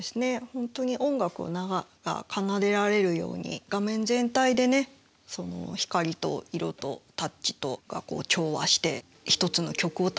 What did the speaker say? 本当に音楽が奏でられるように画面全体でね光と色とタッチとが調和して一つの曲を立ち上げてるようなね